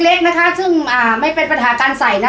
เล็กนะคะซึ่งอ่าไม่เป็นปัญหาการใส่นะ